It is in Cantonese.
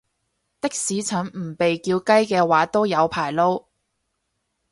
的士陳唔被叫雞嘅話都有排撈